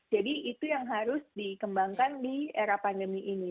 jadi itu yang harus dikembangkan di era pandemi ini